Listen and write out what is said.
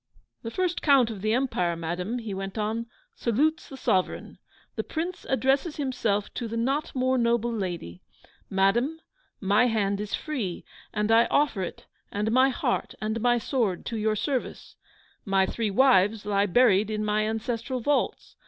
'The first Count of the Empire, madam,' he went on, 'salutes the Sovereign. The Prince addresses himself to the not more noble lady! Madam, my hand is free, and I offer it, and my heart and my sword to your service! My three wives lie buried in my ancestral vaults.